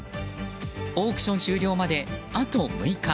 オークション終了まであと６日。